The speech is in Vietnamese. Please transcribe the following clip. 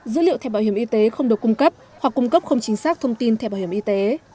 dữ liệu thẻ bảo hiểm y tế không được cung cấp hoặc cung cấp không chính xác thông tin thẻ bảo hiểm y tế